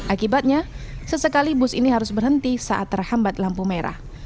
akibatnya sesekali bus ini harus berhenti saat terhambat lampu merah